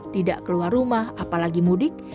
tidak keluar rumah apalagi mudik